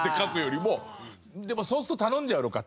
でもそうすると頼んじゃうのか。